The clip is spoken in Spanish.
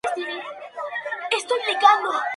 Se encuentran en las costas de Borneo, Sumatra y Camboya.